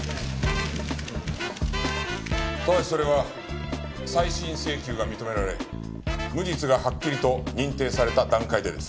ただしそれは再審請求が認められ無実がはっきりと認定された段階でです。